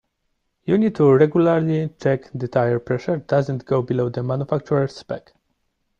You need to regularly check the tire pressure doesn't go below the manufacturer's spec.